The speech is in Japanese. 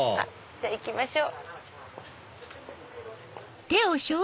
じゃあ行きましょう。